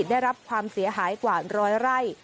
ได้รับความเสียหายกว่าร้อยไร่